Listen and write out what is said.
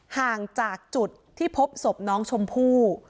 ห่างจากจุดที่พบศพน้องชมพู่